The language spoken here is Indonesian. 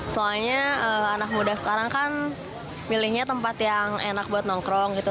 soalnya anak muda sekarang kan milihnya tempat yang enak buat nongkrong gitu